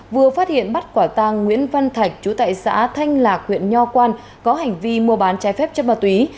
vừa phát hiện bắt quả tàng nguyễn văn thạch chú tại xã thanh lạc huyện nho quan có hành vi mua bán trái phép chất ma túy